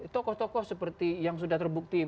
tokoh tokoh seperti yang sudah terbukti